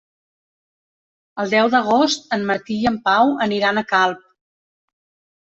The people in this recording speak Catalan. El deu d'agost en Martí i en Pau aniran a Calp.